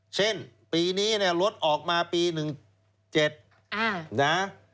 เช่นปีนี้รถออกมาปี๑๗นะ